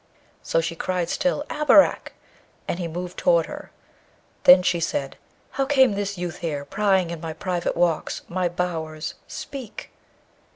So, she cried still, 'Abarak!' and he moved toward her. Then she said, 'How came this youth here, prying in my private walks, my bowers? Speak!'